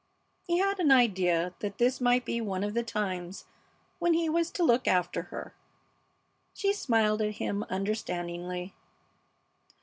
He had an idea that this might be one of the times when he was to look after her. She smiled at him understandingly.